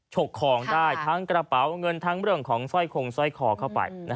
ฉกของได้ทั้งกระเป๋าเงินทั้งเรื่องของสร้อยคงสร้อยคอเข้าไป